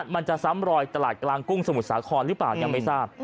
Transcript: มันจะซ้ำรอยตลาดกลางกุ้งสมุทรสาครหรือเปล่ายังไม่ทราบ